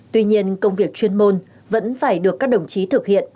tuy nhiên công việc chuyên môn vẫn phải được các đồng chí thực hiện